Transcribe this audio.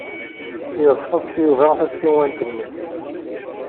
Yeḍfes Yuba tasiwant-nnes.